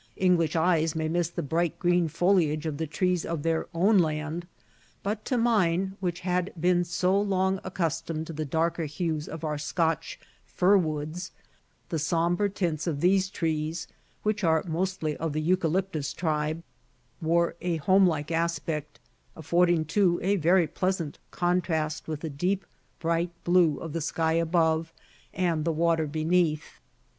English eyes may miss the bright green foliage of the trees of their own land; but to mine, which had been so long accustomed to the darker hues of our Scotch fir woods, the sombre tints of these trees, which are mostly of the Eucalyptus tribe, wore a home like aspect, affording too, a very pleasing contrast with the deep bright blue of the sky above and the water beneath.